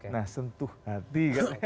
nah sentuh hati